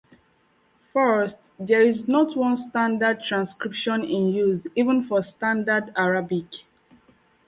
First, there is not one standard transcription in use even for Standard Arabic.